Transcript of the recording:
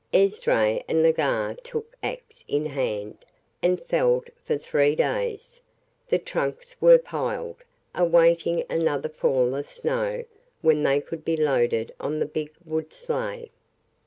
Esdras and Legare took ax in hand and felled for three days; the trunks were piled, awaiting another fall of snow when they could be loaded on the big wood sleigh.